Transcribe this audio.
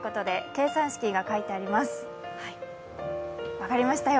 分かりましたよ。